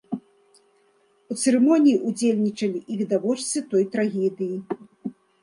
У цырымоніі ўдзельнічалі і відавочцы той трагедыі.